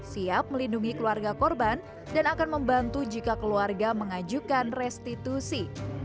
siap melindungi keluarga korban dan akan membantu jika keluarga mengajukan restitusi